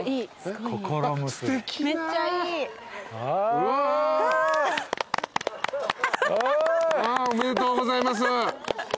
うわ！おめでとうございます。